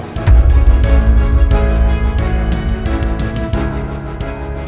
bukan terus berkutat sama elsa